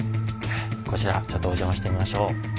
こちらちょっとお邪魔してみましょう。